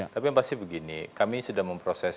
tapi yang pasti begini kami sudah memproses